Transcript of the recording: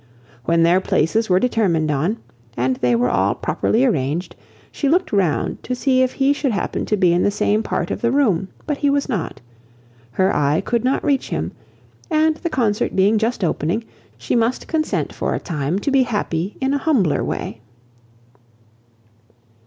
When their places were determined on, and they were all properly arranged, she looked round to see if he should happen to be in the same part of the room, but he was not; her eye could not reach him; and the concert being just opening, she must consent for a time to be happy in a humbler way.